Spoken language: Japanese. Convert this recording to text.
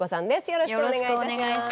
よろしくお願いします